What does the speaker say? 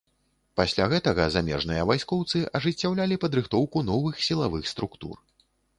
Пасля гэтага замежныя вайскоўцы ажыццяўлялі падрыхтоўку новых сілавых структур.